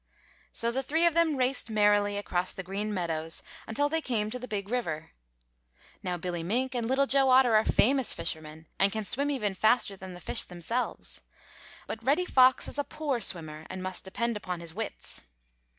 So the three of them raced merrily across the Green Meadows until they came to the Big River. Now Billy Mink and Little Joe Otter are famous fishermen and can swim even faster than the fish themselves. But Reddy Fox is a poor swimmer and must depend upon his wits.